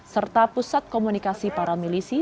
serta pusat komunikasi para milisi